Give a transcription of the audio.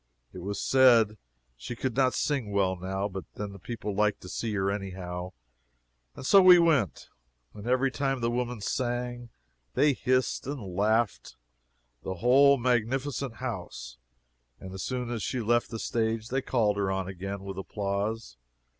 It was said she could not sing well, now, but then the people liked to see her, anyhow. And so we went. And every time the woman sang they hissed and laughed the whole magnificent house and as soon as she left the stage they called her on again with applause.